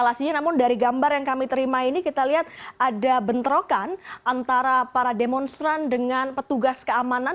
namun dari gambar yang kami terima ini kita lihat ada bentrokan antara para demonstran dengan petugas keamanan